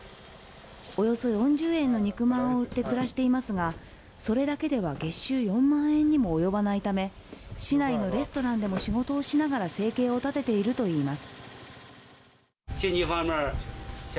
およそ４０円の肉まんを売って暮らしていますが、それだけでは月収４万円にも及ばないため、市内のレストランでも仕事をしながら生計を立てているといいます。